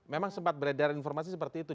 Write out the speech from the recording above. memang sempat beredar informasi seperti itu